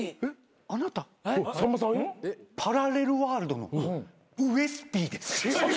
あなたパラレルワールドのウエスＰ。